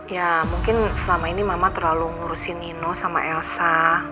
ya mungkin selama ini mama terlalu ngurusin nino sama elsa